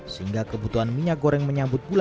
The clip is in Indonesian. sehingga kebutuhan minyak goreng menyambut bulan